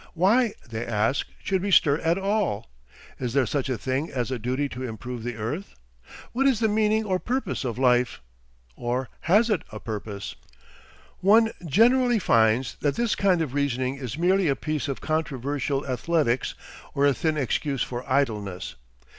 Why, they ask, should we stir at all? Is there such a thing as a duty to improve the earth? What is the meaning or purpose of life? Or has it a purpose? "One generally finds that this kind of reasoning is merely a piece of controversial athletics or a thin excuse for idleness.